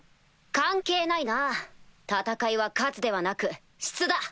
関係ないな戦いは数ではなく質だ！